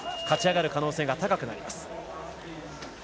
勝ち上がる可能性が高くなります。